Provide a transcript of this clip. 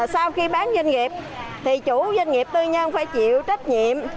sau khi bán doanh nghiệp thì chủ doanh nghiệp tư nhân phải chịu trách nhiệm